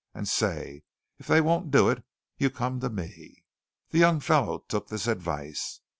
And, say, if they won't do it, you come to me." The young fellow took this advice.